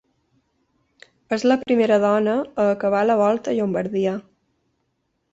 És la primera dona a acabar la Volta a Llombardia.